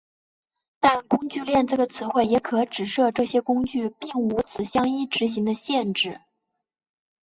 但工具链这个词汇也可指涉这些工具并无此相依执行的限制。